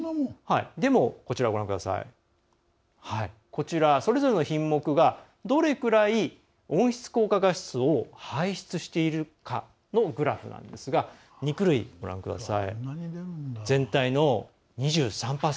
でも、こちらそれぞれの品目がどれくらい温室効果ガスを排出しているかのグラフなんですが肉類は全体の２３％。